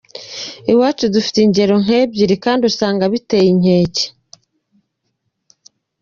Iwacu dufite ingero nk’ebyiri kandi usanga biteye inkeke.